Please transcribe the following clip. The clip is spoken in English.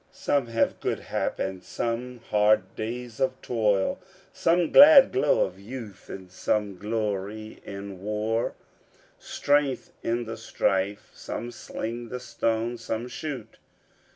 Some have good hap, and some hard days of toil; Some glad glow of youth, and some glory in war, Strength in the strife; some sling the stone, some shoot.